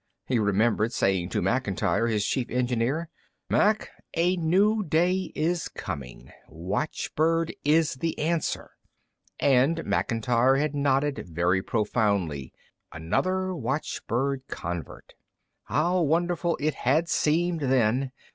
He remembered saying to Macintyre, his chief engineer, "Mac, a new day is coming. Watchbird is the Answer." And Macintyre had nodded very profoundly another watchbird convert. How wonderful it had seemed then!